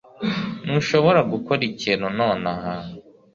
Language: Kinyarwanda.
Ntushobora gukora ikintu nonaha